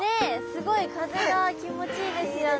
すごい風が気持ちいいですよね。